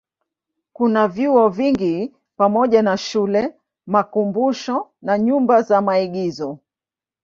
Kuna vyuo vingi pamoja na shule, makumbusho na nyumba za maigizo.